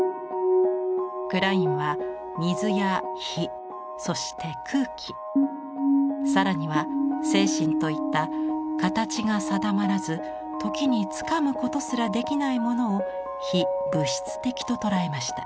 クラインは水や火そして空気更には精神といった形が定まらず時につかむことすらできないものを非物質的と捉えました。